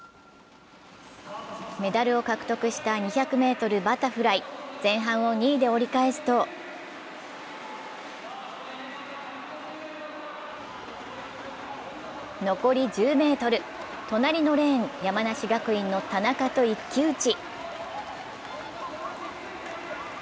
メダルを獲得した２００ｍバタフライ、前半を２位で折り返すと残り１０ｍ、隣のレーン、山梨学院の田中と一騎打ち。